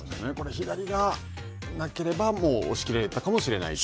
左がなければ、押し切れたかもしれないという。